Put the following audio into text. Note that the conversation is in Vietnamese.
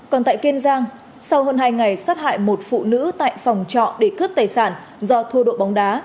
còn tại kiên giang sau hơn hai ngày sát hại một phụ nữ tại phòng trọ để cướp tài sản do thua độ bóng đá